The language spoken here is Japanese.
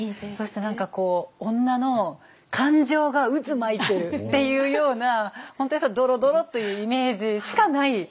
そして何かこう女の感情が渦巻いてるっていうような本当にドロドロというイメージしかない。